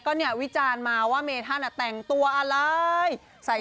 ก็เนี่ยวิจารณ์มาว่าเมธันแต่งตัวอะไรใส่